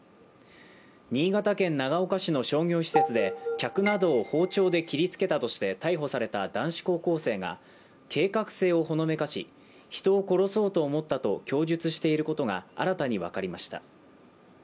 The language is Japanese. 新潟県長岡市の商業施設で客などを包丁で切りつけたとして逮捕された男子高校生が計画性をほのめかし人を殺そうと思ったと供述していることが新たに分かりました。